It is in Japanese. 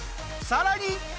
さらに。